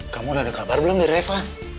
kamu ada kabar belum dari reva